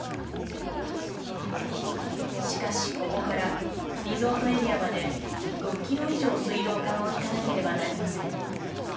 しかし、ここからリゾートエリアまで６キロ以上水道管を引かなければなりません。